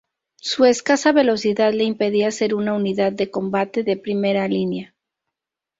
Su escasa velocidad le impedía ser una unidad de combate de primera línea.